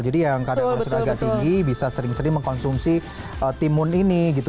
jadi yang kadar kolesterol agak tinggi bisa sering sering mengkonsumsi timun ini gitu